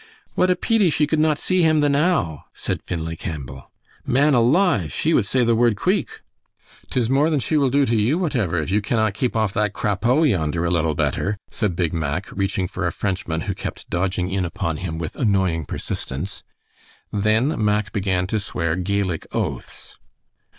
"What a peety she could not see him the now," said Finlay Campbell. "Man alive, she would say the word queeck!" "'Tis more than she will do to you whatever, if you cannot keep off that crapeau yonder a little better," said Big Mack, reaching for a Frenchman who kept dodging in upon him with annoying persistence. Then Mack began to swear Gaelic oaths.